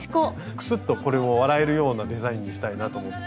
クスッとこれも笑えるようなデザインにしたいなと思って。